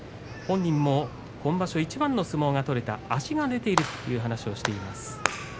本人も、今場所いちばんの相撲が取れた足が出ているという話をしています。